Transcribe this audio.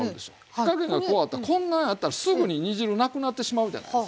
火加減がこうあったらこんなんやったらすぐに煮汁なくなってしまうじゃないですか。